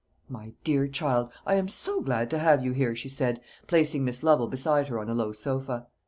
"My dear child, I am so glad to have you here," she said, placing Miss Lovel beside her on a low sofa.